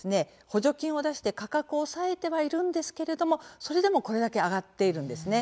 補助金を出して価格を抑えてはいるんですけれどもそれでも、これだけ上がっているんですね。